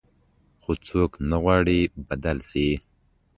خو څوک نه غواړي بدل شي.